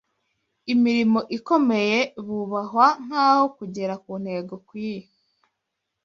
imirimo ikomeye bubahwa nk’aho kugera ku ntego kw’iyo